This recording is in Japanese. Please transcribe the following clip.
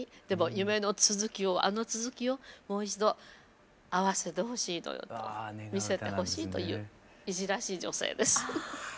でも夢のつづきをあのつづきをもう一度会わせてほしいという見せてほしいといういじらしい女性です。